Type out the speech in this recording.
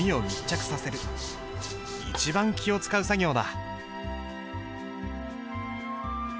一番気を遣う作業だ。